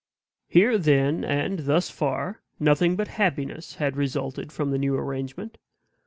Here, then, and thus far, nothing but happiness had resulted from the new arrangement.